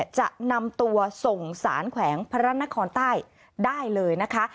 จะนำตัวส่งสารแขวงพระนครใต้ได้เลยนะคะ